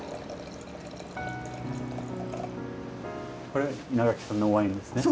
これ稲垣さんのワインですね？